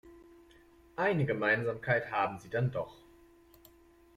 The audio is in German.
Eine Gemeinsamkeit haben sie dann doch.